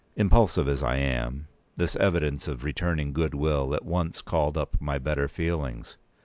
Impulsive as I am, this evidence of returning good will at once called up my better feelings.